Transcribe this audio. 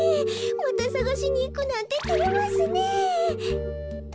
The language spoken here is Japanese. またさがしにいくなんててれますねえ。